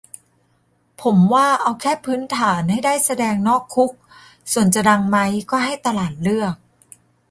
ผมว่าเอาแค่พื้นฐาน ให้ได้แสดงนอกคุก ส่วนจะดังไหมก็ให้ตลาดเลือก